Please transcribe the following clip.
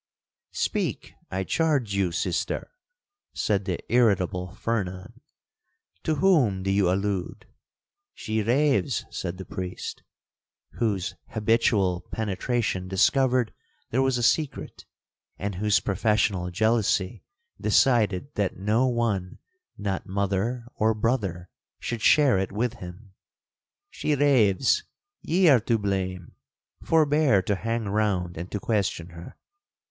'Speak, I charge you, sister,' said the irritable Fernan, 'to whom do you allude?'—'She raves,' said the priest, whose habitual penetration discovered there was a secret,—and whose professional jealousy decided that no one, not mother or brother, should share it with him; 'she raves—ye are to blame—forbear to hang round and to question her.